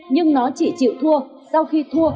nhưng nó chỉ chịu thua sau khi thua